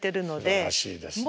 すばらしいですね。